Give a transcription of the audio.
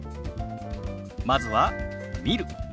まずは「見る」。